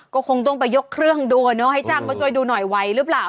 ก็คงต้องไปยกเครื่องดัวเนาะแล้วให้ชักมาช่วยดูหน่อยวัยลึบล่าว